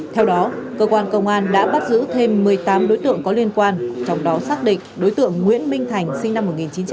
theo đó cơ quan công an đã bắt giữ thêm một mươi tám đối tượng có liên quan trong đó xác định đối tượng nguyễn minh thành sinh năm một nghìn chín trăm tám mươi